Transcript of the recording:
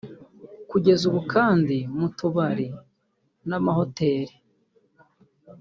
Kugeza ubu kandi mu tubari n’amahoteli